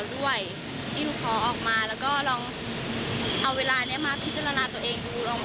เคยคิดนะว่าอยู่แล้วเหนื่อยแต่ว่าออกไปแล้วยังไง